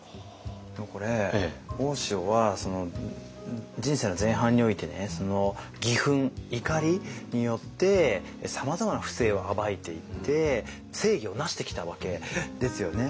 でもこれ大塩は人生の前半において義憤怒りによってさまざまな不正を暴いていって正義をなしてきたわけですよね。